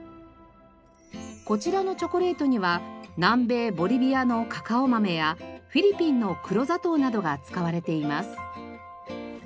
こちらのチョコレートには南米ボリビアのカカオ豆やフィリピンの黒砂糖などが使われています。